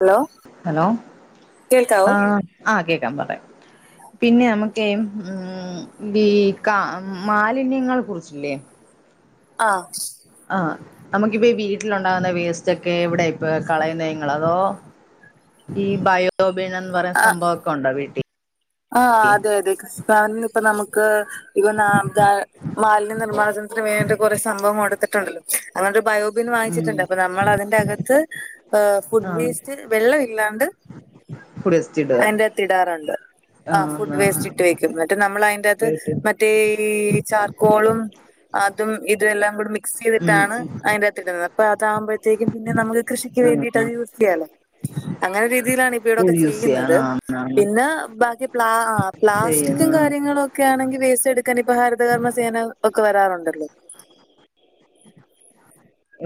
Hello hello കേൾക്കാവോ ആഹ് ആഹ് കേക്കാം പറയാം പിന്നെ നമ്ക്കേ ഊം വീ കാ മാലിന്യങ്ങെളെ കുർച്ച്ല്ലേ ആഹ് ആഹ് നമ്ക്കിപ്പ ഈ വീട്ട്ലുണ്ടാകുന്ന വേസ്റ്റാെക്കെ എവ്ടെ ഇപ്പ കളയുന്നെ ഇങ്ങെൾ അതോ ഈ ബയോബിനെന്ന് പറയ്ണ ആഹ് സംഭവൊക്കെ ഒണ്ടാെ വീട്ടി ആഹ് അതെ അതെ ഗവൺമെന്റ്പ്പം നമ്ക്ക് ഇപ്പ നാ [unintelligible] മാൽന്യ നിർമ്മാണത്ത്ന് വേണ്ട് കൊറേ സംഭവം കൊട്ത്തിട്ടുണ്ടല്ലോ അതോണ്ട് ബയോബിൻ വാങ്ങിച്ചിട്ട്ണ്ട് അപ്പൊ നമ്മളതിന്റെ അകെത്ത് ഏഹ് ഫുഡ് ആഹ് വേസ്റ്റ് വെള്ളം ഇല്ലാണ്ട് വേസ്റ്റ് ഇടുക അയ്ന്റെകത്തിടാറ്ണ്ട് ആഹ് ഫുഡ് വേസ്റ്റ് ഇട്ട് വെക്ക്യും ന്നെട്ട് നമ്മളയ്ന്റകത്ത് ആഹ് മ റ്റേ ഈ ചാർക്കോളും അതും ഇതെല്ലാം കൂടെ മി ഉം ക്സെയ്തിട്ടാണ് അയ്ന്റെകത്ത് ഇട്ന്നത് അപ്പൊ അതാവുംമ്പഴ്ത്തേക്കും പിന്നെ നമുക്ക് കൃഷിക്ക്യ്‌ ഉം വേണ്ടീട്ട് അത് ആഹ് യൂസ് ചെയ്യാലോ അങ്ങനെ രീതിയിലാണ് ഇപ്പ ഇവിടൊക്കെ യൂസ് ചെയ്യാൻ ചെയ്യ്ന്നത് ആന്ന് ആന്ന് പിന്നേ ബാക്കി ആഹ് ആഹ് പ്ലാസ്റ്റിക്കും ചെയ്യുന്നു കാര്യ ങ്ങളും ഒക്കെ ആണെങ്കി വേസ്റ്റെട്ക്കാനിപ്പാെ ഹരിതകർമ്മ സേന ഒക്കെ വരാറുണ്ടല്ലോ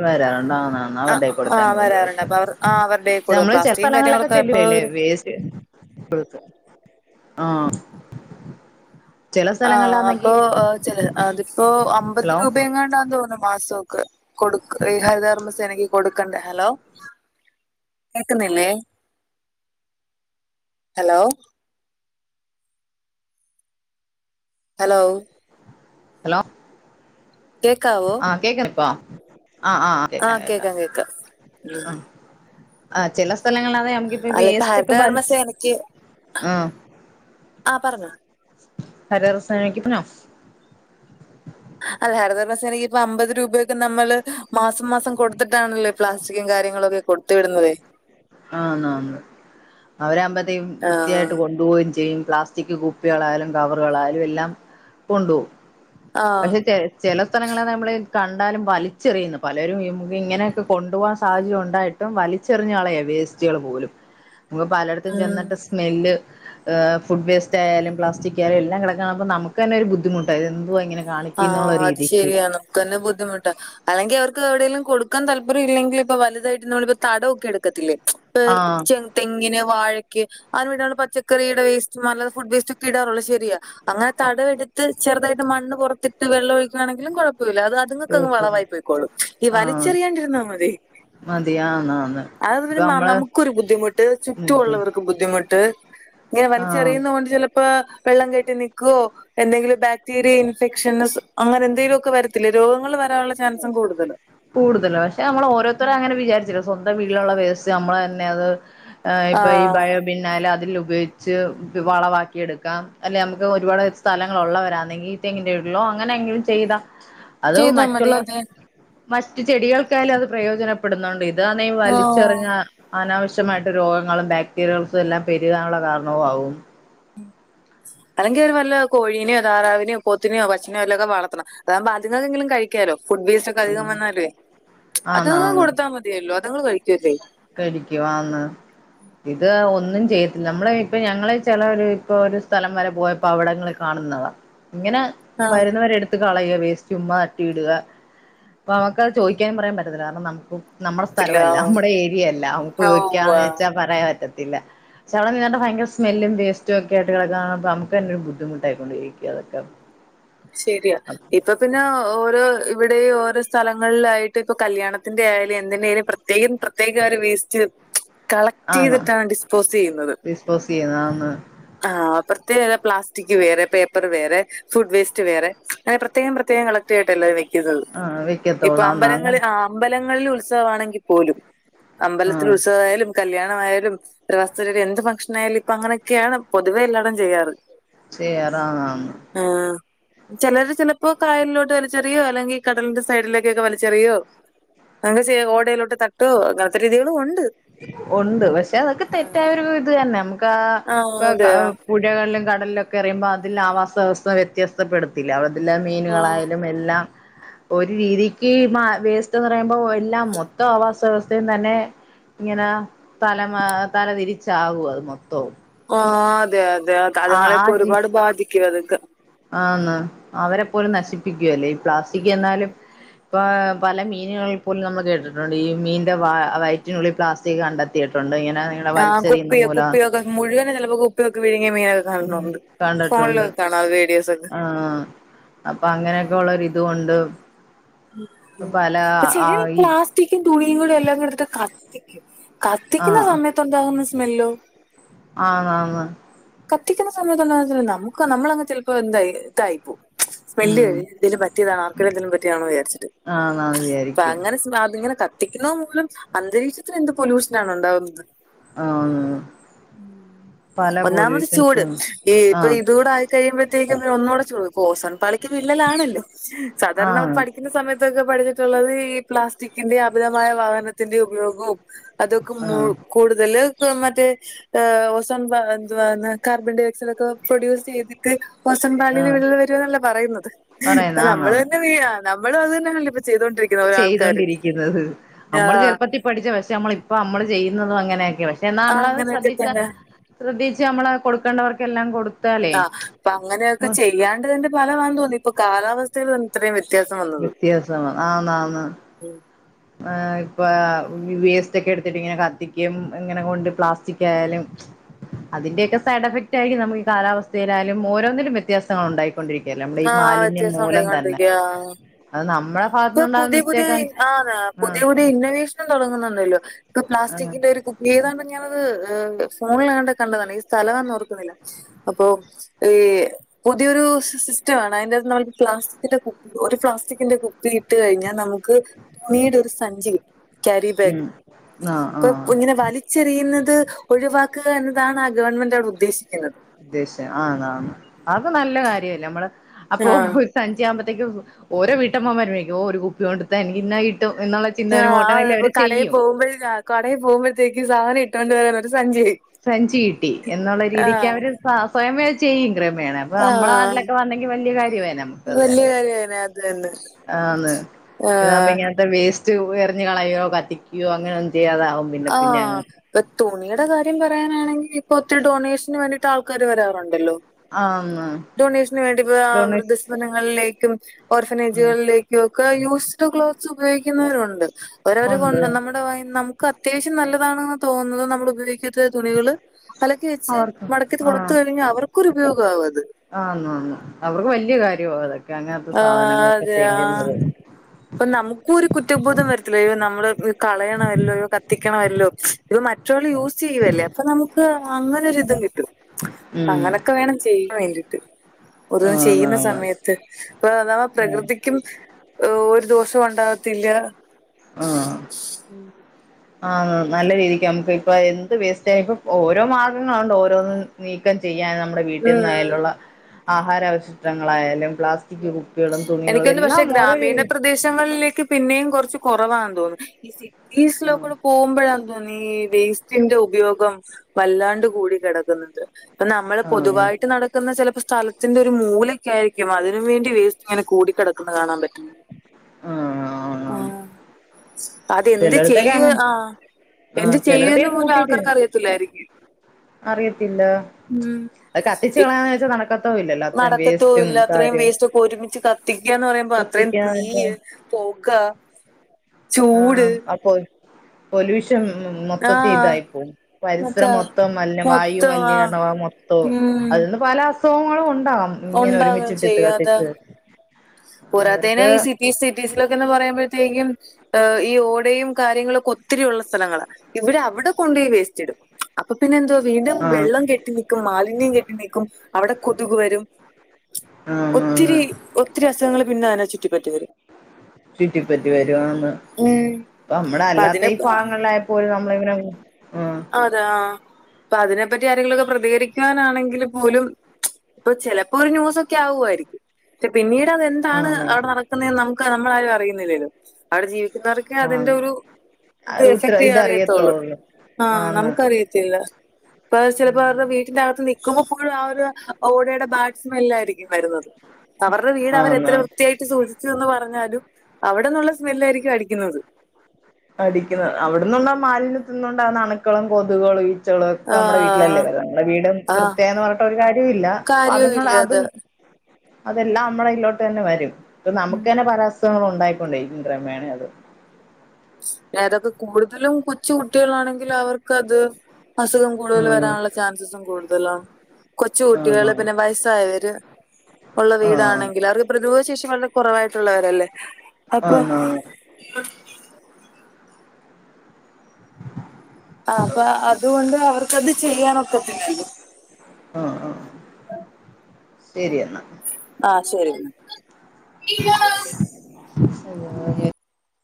വരാറ്ണ്ട് ആന്നാ ആ ന്നാന്ന്ണ്ടേ ആ കൊട്ത്തങ്ങ് വരാറുണ്ട് വിടുവായിര്ക്കും അപ്പൊ അവർ ആ അവരുടെ കൊടുക്കും ഞമ്മെള് പ്ലാസ്റ്റിക്കും ചെലസ്ഥങ്ങളിലൊക്കെ കാര്യങ്ങളൊക്കെ ഇപ്പൊ ചെല്ലുവേല്ലേ ഒരു വേസ്റ്റ് പുഴുക്ക്, ആഹ് ചില ആഹ് അപ്പൊ സ്ഥലങ്ങളിലാന്നെങ്കി ചെല അതിപ്പോ അമ്പത് ഹലോ രൂപയെങ്ങണ്ടാന്ന് തോന്നുന്നു മാസം കെ കൊടുക്ക് ഈ ഹരിത കർമ്മ സേനക്ക് കൊടുക്കണ്ടെ ഹെലോ കേക്കുന്നില്ലേ ഹലോ ഹലോ ഹലോ കേക്കാവോ ആഹ് കേക്ക്ണിപ്പൊ ആഹ് ആഹ് ആഹ് ആഹ് കേക്കാം കേക്കാം ഉം ആഹ് ചില സ്ഥലങ്ങള നമക്ക്പ്പ ഈ അല്ല ഇപ്പൊ വേസ്റ്റക്കെ വൽച്ച് ഹരിതകർമ്മസേനക്ക് ആഹ് ആഹ് പറഞ്ഞോ ഹരിത കർമ്മ സേനക്കിപ്പം ഞം അല്ല ഹരതകർമ്മ സേനയ്ക്കിപ്പ അമ്പത് രൂപയൊക്കെ നമ്മള് മാസം മാസം കൊടുത്തിട്ടാണല്ലേ ഈ പ്ലാസ്റ്റിക്കും കാര്യങ്ങളും ഒക്കെ കൊട്ത്ത് വിടുന്നതേ ആന്നാന്ന്. അവരാവുമ്പത്തേയും ആഹ് വൃത്തിയായിട്ട് കൊണ് ണ്ട് പോവേംചെയ്യും. പ്ലാസ്റ്റിക് കുപ്പികളായാലും കവറുകളായാലും എല്ലാം കൊണ്ടുപോകും അഹ് ആഹ് സെറ്റായോ ചെല സ്ഥലങ്ങളെ നമ്മള് കണ്ടാലും വലിച്ചെറിയുന്നു പലരും ഇങ്ങനെയൊക്കെ കൊണ്ടു പോവാൻ സാഹചര്യം ഉണ്ടായി ട്ടും വലിച്ചെറിഞ്ഞ് കളയ വേസ്റ്റുകള് പോലും. നമക്ക് പലയിടത്തും ഉം ചെന്നിട്ട് സ്മെല്ല് ഇഹ് ഫുഡ് വേസ്റ്റായാലും പ്ലാസ്റ്റിക്കാ യാലും എല്ലാം കിടക്ക്ണാണുമ്പൊ നമുക്ക് തന്നെ ഒരു ബുദ്ധിമുട്ട, ഇതെന്തുവാ ഇങ്ങനെ കാണിക്കുന്നുള്ള ആഹ് അത് രീതിക്ക് ശരിയാ. നമുക്കന്നെ ബുദ്ധിമുട്ടാ അല്ലെങ്കി അവർക്ക് എവിടെയെലും കൊടുക്കാൻ താല്പര്യഇല്ലെങ്കിപ്പൊ വലുതായിട്ട് നമ്മളിപ്പൊ തടം ഒക്കെ എടുക്കത്തില്ലേ ആഹ് [unintelligible] തെങ്ങിന് വാഴക്ക് അതിന് വീട്ടിലുള്ള പച്ചക്കറിയിടെ വേസ്റ്റും അല്ലെ ഫുഡ് വേസ്റ്റൊക്കെ ഇടാറുള്ളൂ ശരിയ അങ്ങനെ തടവെടുത്ത് ചെറുതായിട്ട് മണ്ണ് പൊറത്തിട്ട് വെള്ളം ഒഴിക്കുവാണെങ്കിലും കൊഴപ്പവില്ല അത് അ തുങ്ങക്കങ്ങ് കുഴപ്പമില്ല. വളവായി പൊയ്ക്കോളും. ഈ ആഹ് വലിച്ചെറിയാണ്ടിരുന്നാ മതി മതി ആന്ന് ആന്ന് അതെന്ന പിന്നെ ഇപ്പൊ ന നമ്മള് നമുക്കൊരു ബുദ്ധിമുട്ട് ചുറ്റുമുള്ളവർ ബുദ്ധിമുട്ട്, ഇങ്ങനെ ആഹ് വലിച്ചെറിയുന്ന കൊണ്ട് ചെല പ്പാ വെള്ളം കെട്ടി നിക്കോ എന്തെങ്കിലും ബാക്ടീരിയ ഇൻഫെക്ഷൻസ് അങ്ങനെ എന്തെങ്കിലുഒക്കെ വരത്തില്ലേ. രോഗങ്ങങ്ങള് വരാനുള്ള ചാൻസും കൂടുതലാ കൂടുതലാ, പക്ഷെ നമ്മളോരോരുത്തരും അങ്ങനെ വിചാരിച്ചില്ല, സ്വന്തം വീട്ടിലുള്ള വേസ്സ് നമ്മള് തന്നെ അത് ഏഹ് ഇപ്പൊ ഈ ആഹ് ബയോ പിന്നാലാ അതിൽ ഉപയോഗിച്ച് വളവാക്കിയെടുക്കാം. അല്ലെ നമുക്ക് ഒരുപാട് സ്ഥലങ്ങളുള്ളവരാന്നെങ്കി തെങ്ങിന്റെ ചോട്ടിലോ അങ്ങനെ എങ്കിലും ചെയ്ത, അത് മ ചെയ്താ മതി അതെ മറ്റ് ചെടികൾക്കായാലും അത് പ്രയോജനപ്പെടുന്നുണ്ട്. ഇതാന്നേ ആഹ് വലിച്ചെറിഞ്ഞ അനാവശ്യമായിട്ട് രോഗങ്ങളും ബാക്ടീരിയകൾക്കു എല്ലാം പെരുകാനുള്ള കാരണവു ആവും അല്ലെങ്കിൽ ഒരു നല്ല കോഴീന്യോ താറാവിന്യോ പോത്തിന്യോ പശുന്യൊ വല്ലോക്കെ വളർത്തണം. അതാകുമ്പ അത്ങ്ങക്കെങ്കിലും കഴി ക്യാലോ ഫുഡ് വേസ്റ്റൊക്കധികം ആഹ് വന്നാലുഏ, അത് ങ്ങക്ക് ആന്നാന്ന് കൊടുത്താ മതിയല്ലോ, അതുങ്ങള് കഴിക്കുവതേയ് കഴിക്കും ആന്ന് ഇത് ഒന്നും ചെയ്യത്തില്ല, നമ്മള് ഇപ്പ ഞങ്ങള് ചെല ഒര് ഇപ്പൊ ഒരു സ്ഥലം വരെ പോയ പ്പവിടങ്ങളി കാണുന്നതാ. ഇങ്ങനെ ആഹ് വരുന്നവരെടു ത്ത് കളയ വേസ്റ്റും മാറ്റിഇടുക. അപ്പൊ അമ്മക്കത് ചോദിക്കാനും പറയാൻ പറ്റത്തില്ല കാരണം നമുക്കും നമ്മടെ ത്തില്ല സ്ഥലമല്ല, നമ്മുടെ ഏരിയയല്ല നമുക്ക് ഓഹ് ചോദിക്കാന്ന് ആഹ് വെച്ചാൽ പറയാൻ പറ്റത്തില്ല ചവ നീണ്ട ഭയര സ്സ്മല്ല് വോസ്റ്റ് ഒക്കെ ആട്ട് കിടുക അ നുക്ക് തെ ബദ്ധിമുട്ടായിക്കൊണ്ടിരിക്കും അതക്കെ ശരിയാ ഇപ്പൊ പിന്നെ ഓരോ ഇവിടെ ഓരോ സ്ഥലങ്ങളിലായിട്ട് ഇപ്പൊ കല്യാണത്തിന്റെ ആയാലും എന്ത്ന്റെലും പ്രത്യേകം പ്രത്യേകർ വേസ്റ്റ് കളക്ട് ആന്ന് ചെയ്തിട്ടാണ് ഡിസ്പോസ് ചെയ്യുന്നത് ഡിസ്പോസ് ചെയ്യുന്നതാന്ന് ആഹ് പ്രത്യേക പ്ലാസ്റ്റിക് വേറെ പേപ്പർ വേറെ ഫുഡ് വേസ്റ്റ് റ്റ്‌ വേറെ പ്രത്യേകം പ്രത്യേകം കളക്ട് ആയിട്ടല്ല വെക്കുന്നത് ആ ഇപ്പ വെക്കത്തോളാന്ന് അമ്പലങ്ങ അങ്ങനെ ആഹ് അമ്പലങ്ങളിൽ ഉത്സവമാണെങ്കിൽ പോലും ആ അമ്പലത്തിൽ ഉത്സവമായാലും കല്യാണമായാലും ഇത്ര വസ്തുര് എന്ത് ഫംഗ്ഷനായയാലുംപ്പൊ അങ്ങനെയൊക്കെയാണ് പൊതുവേ എല്ലാരും ചെയ്യാറ് ചെയ്യാറ് ആഹ് ആഹ് ആഹ് ചിലർ ചിലപ്പോ കായലിലോട്ട് വലിച്ചെറിയോ അല്ലെങ്കിൽ കടലിന്റെ സൈഡിലേക്കൊക്കെ വലിച്ചെറിയോ അങ്ങ് ചെയ്യ് ഓടയിലോട്ട് തട്ടോ അങ്ങൻത്ത രീതികളും ഉണ്ട് ഉണ്ട് പക്ഷെ അതൊക്കെ ആഹ് തെറ്റായരു ഇത് തന്നെ നമുക്ക് ആഹ് ഇപ്പൊ അതെ ആഹ് പുഴകളിലും കടലിലൊക്കെ എറിയുമ്പോ അതിൽ ആവാസ്യവസ്ഥ വ്യത്യാസ്തം ക്ടപ്പെടുത്തില്ല അവിടെത്തെല്ല മീനുകളായാലും എല്ലാം ഒരു രീതിക്ക് മാ വേസ്റ്റന്നറയുമ്പോ എല്ലാം മൊത്തം ആവാസവ്യവസ്ഥയും തന്നെ ഇങ്ങനെ തല മ തലതിരിച്ചാവേ അത് മൊത്തവും ആഹ് അതെഅതെയതെ ആ ആ തലങ്ങളെയൊക്കെ ജി ഒരുപാട് ബാധിക്കുതക്കെ ആന്ന് അവരെ പോലും നശിപ്പിക്കുല്ലേ ഈ പ്ലാസ്റ്റിക് എന്നാലും ഇപ്പ പല മീനുകളൾ പോലും നമ്മൾ കേട്ടിട്ടുണ്ട് ഈ മീന്റെ വ വയറ്റിനുള്ളിൽ പ്ലാസ്റ്റിക് കണ്ടത്തി ത്തിയിട്ടുണ്ട് ഇങ്ങനാ ആഹ് കുപ്പിയ കുപ്പിയൊക്കെ മുഴുവനെ ചെലപ്പോ കു പ്പിയൊക്കെ വിഴുങ്ങിയ മീനൊക്ക കാണുന്നുണ്ട് കണ്ടിട്ടുണ്ട് ഫോണിലൊക്കെ കാണതേ വീഡിയോസൊക്കെ ആഹ് അപ്പൊ അങ്ങനെയൊക്കെള്ളരിതുകൊണ്ട് [unintelligible] ആ ഈ കുത്തിക്കു തുണിയുകൂടെ എല്ലാ കൂടെടുത്തിട്ട് കത്തിക്ക് കത്തിക്കുന്ന ആഹ് സമയത്ത് ഒണ്ടാകുന്ന സ്മെല്ലോ ആന്നാന്ന് കത്തിക്കുന്ന സമയത്ത്ണ്ട നമുക്ക് നമ്മളങ്ങ് ചെലപ്പോ എന്താ ഇതായിപ്പോവും സ്മെല്ല് ഉം വെരു എന്തേലും പറ്റിയതാണ് ആർക്കും എന്തേലും പറ്റിയാണോ വിചാരിച്ചിട്ട് ആന്നാന്ന് അപ്പ വിചാരിക്കും അങ്ങനെ അതിങ്ങനെ കത്തിക്കുന്ന മൂലം അന്തരീക്ഷത്തിലെന്ത് പൊല്യൂഷനാണണ്ടാവുന്നത് ആന്ന് പല ഒന്നാമത് ചൂട് പൊല്യൂഷൻസും ഈ ഇപ്പൊ ആഹ് ഇതൂടെയ കഴിയുമ്പോഴത്തേക്കും ഒന്നുകൂടെ ചൂട പ്പോ നോൺ പാളിക്ക് വിള്ളലാണല്ലോ സാധാരണ ആഹ് ക്കുന്ന സമയത്തൊക്കെ പഠിച്ചിട്ടുള്ളത് ഈ പ്ലാസ്റ്റിക്കിന്റെ അമിതമായ വാഹനത്തിന്റെ ഉപയോഗവും അതൊക്കെ മു ആഹ് കൂടുതല് മറ്റേ ഓസോൺ പ ന്താ കാർബൺഡോയക്സൈഡ് ന്തോ പ്രൊഡ്യൂസ് ചെയ്തിട്ട ട്ട് ഓസോൺപാളില് ആഹ് വിള്ളില് വരുന്നല്ല പറയുന്നത് പറയുന്ന അതാ ആന്നാന്ന് നമ്മളന്നെ വീഴാ നമ്മളു അതുതന്നല്ല ഇപ്പ ചെയ്തണ്ടരിക്കണ ചെയ്തൊണ്ടിരിക്കുന്നത് ന്നമ്മള് ആഹ് ചെറുപ്പത്തി പഠിച്ച പഷെ ന്നമ്മള് ഇപ്പ മ്മള് ചെയ്യുന്നതും അങ്ങനെ അങ്ങനെയൊക്കെ എന്നാ നമ്മളത് അങ്ങനെയൊക്കെ ശ്രദ്ധിച്ച തന്നെ ശ്രദ്ധിച്ച് നമ്മള് കൊടുക്കേണ്ടവർക്കെല്ലാം കൊടു ആഹ് അപ്പൊ അങ്ങനെയൊക്കെ ചെയ്യാണ്ടതിന്റെ ഫലമാന്ന് തോന്നി ഇപ്പൊ കാലാവസ്ഥയിൽ ഇത്രയും വ്യത്യാസം വന്നു വ്യത്യാസമാണ് ആന്നാന്ന് ഉം ആഹ് ഇപ്പം വേസ്‌റ്റൊക്കെ എടുത്തിട്ട് ഇങ്ങനെ കത്തിക്കും ഇങ്ങനെ കൊണ്ട് പ്ലാസ്റ്റിക് ആയാലും അതിന്റെയൊക്കെ സൈഡ്ഫക്റ്റായിരിക്കു നമുക്ക് കാലാവസ്ഥയിലായാലും ഓരോന്നിലും വ്യത്യാസങ്ങണ്ടായിരിക്കു ണ്ടിരിക്കയല്ല നമ്മുടെ ഈ ആഹ് മാലിന്യം വ്യത്യാസം മൂലം തന്നെ ഉണ്ടായിക്കൊണ്ടിരിക്കാ. അത് നമ്മള ഇപ്പൊ ഭാഗത്തുന്നുണ്ടാന്ന പുതിയ പുതിയ മിസ്റ്റേക്ക ആന്ന് പുതിയ പുതിയ ഇന്നവേഷനും തൊടങ്ങുന്നുണ്ടല്ലോ ഇപ്പൊ ആഹ് പ്ലാസ്റ്റിക്കിന്റെ കുപ്പ ഏതാണ്ട് ഞാനത് ഫോണിലാകാണ്ട് കണ്ടതാണ് ഏസ്ഥലാന്ന് ഓർക്കണില്ല അപ്പോ ഈ പുതിയൊരു സിസ് റ്റാണ് അയിൻ്റകത്ത് നമ്മള് പ്ലാസ്റ്റിക്കിന്റെ കുപ്പി ഒരു പ്ലാസ്റ്റിക്കിന്റെ കുപ്പി ഇട്ട് കഴിഞ്ഞാൽ നമുക്ക് വീടൊരു സഞ്ചി ക്യാരിബാഗ് ഉം ആഹ് ഇപ്പൊ ആഹ് കുഞ്ഞിനെ വലി ച്ചെറിയുന്നത് ഒഴിവാക്കുക എന്നതാണ് ആ ഗവൺമെന്റ് അവിടെ ഉദ്ദേശിക്കുന്നത് ഉദ്ദേശം ആന്നാന്ന് ആഹ് ഒക്കെ നല്ല കാര്യല്ലേ നമ്മള് അപ്പൊ ആഹ് സഞ്ചി ആവ്മ്പത്തേക്ക് ഓരോ വീട്ടമ്മമാരോയ്ക്കും ഓഹ് ഒരു കുപ്പി കൊണ്ടുത്താ എനിക്ക് ഇന്ന കിട്ടും എന്നുള്ള ചിന്ത വരുമ്പോ ആഹ് ഓട്ടോമാറ്റിക്കലി അപ്പോ അവര് കടേ ചെയ്യും പോവുമ്പഴല്ലാ കടേൽ പോവ്മ്പോത്തേക്ക് സാധനം ഇട്ടുകൊണ്ട് വരാനൊരു സഞ്ചി സഞ്ചി കിട്ടി എന്നുള്ള രീതിക്ക് ആഹ് അവര് സ്വയമേ ചെയ്യും ക്രമേണെ അപ്പൊ നമ്മള ആഹ് നാട്ടിലൊ ക്കെ വന്നെങ്കി വല്യയ കാര്യമായേനെ നമുക്ക് അത് വല്യ തന്നെ കാര്യന്നെ അത് തന്നെ ആന്ന് ഇതാകുമ്പോ ആഹ് ഇങ്ങനത്തെ വേസ്റ്റ് എറിഞ്ഞ് കളയോ കത്തിക്കുകയോ അങ്ങനെ ഒന്നു ചെയ്യാതാവും പിന്നെ പിന്നെ ആഹ് അങ്ങ് ഇപ്പൊ തുണിയുടെ കാര്യം പറയാനാണെങ്കി ഇപ്പൊ ഒത്തിരി ഡൊണേഷന് വേണ്ടിട്ട് ആൾക്കാര് വരാറുണ്ടല്ലോ ആന്ന് ഡോണേഷന് വേണ്ടിപ്പോ ഡൊണേഷൻ വൃദ്ധസദനങ്ങളിലേക്കും ഉം ഓർഫനേജുകളിലേ ക്കും ഒക്കെ യൂസ്ഡ് ക്ലോത്ത്സ് ഉപയോഗിക്കുന്നവരുണ്ട് അവരവര് കൊ ഉണ്ട് നമ്മുടെ [unintelligible] ക്കത്താവിശ്യ നല്ലതാണ് തോന്നുന്നത് നമ്മള് ഉപയോഗിക്കത്ത തുണികള് അലക്കി വെച്ച് അവർക്ക് മടക്കിത് കൊടുത്തു കഴിഞ്ഞാൽ അവർക്കൊരു ഉപയോഗ ആവു അത് ആഹ് ന്ന് അന്ന് അവർക്ക് വലിയ കാര്യമാ അതൊക്കെ അങ്ങൻത്തെ ആ സാധനങ്ങളൊക്കെ അതെ ചെല്ലുന്നത് ആ അപ്പൊ നമുക്കും ഒരു കുറ്റബോധം വരത്തില്ല അയ്യോ നമ്മള് കളയണമല്ലോ [unintelligible] കത്തിക്കണമല്ലോ ഇവ മറ്റ പെട്രോൾ യൂസ് ചെയ്യുവല്ലേ അപ്പൊ നമുക്ക് അങ്ങനൊരിതും കിട്ടും ഉം അങ്ങനെയൊക്കെ വേണം ചെയ്യാൻ വേണ്ടീട്ട് പൊതുവേ ആന്ന് ചെയ്യുന്ന ആന്ന് സമയത്ത് അപ്പൊ അതാ ആഹ് പ്രകൃതിക്കും ഒരു ദോഷം ഉണ്ടകത്തില്ല ആഹ് ആഹ് നല്ല രീതിക്ക് നമുക്ക് ഇപ്പ എന്ത് വേസ്റ്റ് ചെയ്യ ഇപ്പ ഓരോ മാർഗങ്ങള്ണ്ട് ഓരോന്നിനും നീക്കം ചെയ്യാൻ നമ്മുടെ വീട്ടിൽ ഉം നിന്നായാലുള്ള ആഹാരാവശിഷ്ടങ്ങളായയാലും പ്ലാസ് ചിക്ക് കുപ്പികളും തുണികളും എല്ലാം ഓരോ [unintelligible] ദേശങ്ങളിലേക്ക് പിന്നെയും കൊർച്ച് കൊർവാന്ന് തോന്നും [unintelligible] ആഹ് മ്പഴാ തോന്നി വേസ്റ്റിന്റെ ഉപയോഗം വല്ലാണ്ട് കൂടി കെടക്കുന്നത് ഇപ്പ നമ്മള് ആഹ് പൊതുവായിട്ട് നടക്കുന്ന ചെലപ്പോ സ്ഥലത്തിന്റെ ഒരു മൂലൊക്കെ ആയിരിക്കും അത് അതിന് വേണ്ടി വേസ്റ്റ് ഇങ്ങനെ കൂടി കെടക്ക്ന്ന കാണാൻ പറ്റും ആഹ് അതെന്ത് ചിലടത്തൊക്കെ ചെയ്യ് അങ്ങനെ ആഹ് എന്ത് ആഹ് ചിലടത്ത് ചെയ്യാന്ന് പോലും കൂട്ടിട്ട് ആൾക്കാര്ക്ക് അറിയത്തില്ലായിരിക്കും അറിയത്തില്ല ഉം അത് കത്തിച്ച് കളന്ന് വെച്ചാ നടക്ക നടക്കത്തു ഇല്ല അത്രയും വേസ്റ്റ് ഒക്കെ ഒരുമിച്ച് കത്തിക്ക ന്ന് പറയുമ്പോ അത്രയും കത്തിക്കാനിപ്പം തീയ് പോക്കാ ആഹ് അപ്പോ പൊല്യൂഷൻ മൊത്തത്തി ആഹ് ഇതായിപ്പോവും പരിസരം അതാ മൊത്തം മലിന വായു മൊത്തം ആഹ് മലിനീകരണ മൊത്തവും ഉം അതിൽന്ന് പല അസു ഖോങ്ങളും ഉണ്ടാകാം ഇങ്ങനെ ഉണ്ടാകും ഒരുമിച്ചിട്ടിട്ട് ചെയ്യും അതാ കത്തിച്ച് പോരാത്തേന് ഇവർക്ക് ഈ സിറ്റീസ് സിറ്റീസിലൊക്കെന്ന് പറയുമ്പഴത്തേക്കും ഈ ഓടയും കാര്യങ്ങളൊക്കെ ഒത്തിരി ഉള്ള സ്ഥലങ്ങള ഇവര് അവിടെ കൊണ്ടായ് വേസ്റ്റ് ഇടും അപ്പൊ പിന്നെ എന്തോ വീണ്ടും ആഹ് വെള്ളം കെ കെട്ടിനിക്കും മാലിന്യം കെട്ടിനിൽക്കും അവടെ കൊതുക് വരും ആന്ന് ആന്ന് ഒത്തിരി ഒ ത്തിരി അസുഖങ്ങള് പിന്നെ അതിനെ ചുറ്റി പറ്റി വെരും ചുറ്റിപ്പറ്റി വെരുവാന്ന് ഉം ഇപ്പ അമ്മടെ അപ്പൊ അല്ലാത്ത ഈ അതിനെ ഭാഗങ്ങളെ പോലും നമ്മള് ഇങ്ങനെ അറിയും ആഹ് അതെ ആഹ് ഇപ്പ അതിനെപ്പറ്റി ആരെങ്കിലും ഒക്കെ പ്രതികരിക്കാനാണെങ്കില് പോലും ഇപ്പൊ ചെലപ്പോ ഒരു ന്യൂസൊക്കെ ആവുമായിരിക്കും പക്ഷെ പിന്നീട് അത് എൻ ത്താണ് ആന്ന് അവടെ നടക്ക്ന്നേന്ന് നമുക്ക് നമ്മളാരും അറിയുന്നില്ലേ ഇത് അവടെ ജീവിക്കുന്നവർക്കേ അതിന്റെ ആഹ് ഒരു ഇത് എഫക്ട് അറിയത്തൊള്ളൂ അ ആഹ് നമുക്ക് അറിയത്തില്ല ഇപ്പ ചെലപ്പോ അവര്ടെ വീട്ടിന്റെ അകത്ത് നിക്കുമ്പൊ ഫുൾ ആ ഒര് ഓടേടെ ബാഡ്സ്മെല്ല് ആയിരിക്കും വര്ന്നത് അവര്ടെ വീട് അവരെ എത്ര ആന്ന് വൃത്തിയായി റ്റ് സൂക്ഷിച്ചു എന്ന് പറഞ്ഞാലും അവിടെന്നുള്ള സ്മെല്ലായിയിരിക്കും അടിക്കുന്നത് അടിക്കുന്നത് അവിട്ന്നുള്ള മാലിന്യം തിന്നാേണ്ടാണ് അണ്ക്കളും കൊതുകളും ഈ ച്ചകളൊക്കെ അമ്മടെ ആഹ് വീട്ടിലെല്ലേ വെരാ ഇമ്മളെ വീടും ആഹ് വൃത്യാന്ന് പർണ് ട്ട് ഒരു കാര്യവും ഇല്ല അപ്പത്ങ്ങടെ അത് അതെല്ലാം അമ്മടെ ഇതിലോട്ട് എന്നെ വരും ഇപ്പ നമുക്ക് എന്നെ പല അസുഖങ്ങളും ഉണ്ടായി കൊണ്ടിരിക്കും ക്രമേണെ അത് ഏതൊക്കെ കൂട്തലും കൊച്ചു കുട്ടികളാണെങ്കിൽ അവർക്കത് അസുഖം കൂടുതല് ആഹ് വെരാനുള്ള ചാൻസെസ് കൂടുതലാണ് കൊച്ചു കുട്ടികള് ആണോ പിന്നെ വയസ്സായവര് ഒള്ള ആഹ് വീടാണെങ്കില് അവർക്ക് പ്രതിരോധ ശേഷി വളരെ കാെറവായിട്ടുള്ളവരല്ലേ അപ്പൊ [inaudible] ആണോ ആഹ് അപ്പൊ അതുകൊണ്ട് അവർക്കത് ചെയ്യാനൊക്കത്തില്ലല്ലോ ആഹ് ആഹ് ശരിയാണ് ആഹ് ശരി ശരിയാണ്ല്ലേ